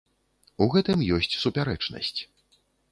У гэтым ёсць супярэчнасць.